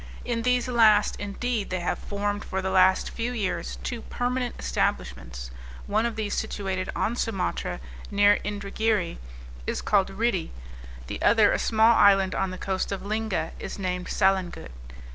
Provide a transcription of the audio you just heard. In these last, indeed, they have formed, for the last few years, two permanent establishments; one of these situated on Sumatra, near Indragiri, is called Ritti, and the other a small island on the coast of Linga, is named Salangut.